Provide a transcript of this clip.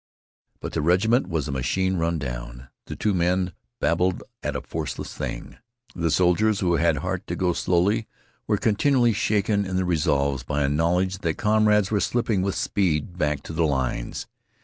But the regiment was a machine run down. The two men babbled at a forceless thing. The soldiers who had heart to go slowly were continually shaken in their resolves by a knowledge that comrades were slipping with speed back to the lines.